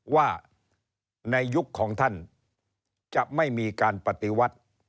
ว่าในยุคของท่านจะไม่มีการปฏิวัติ